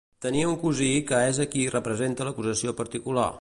Tenia un cosí que és a qui representa l'acusació particular.